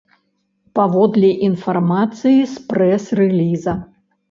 Паводле інфармацыі з прэс-рэліза.